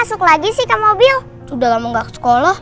pokoknya mama antarin rina ke sekolah